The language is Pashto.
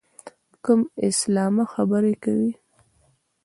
کوم اسلامه خبرې کوې.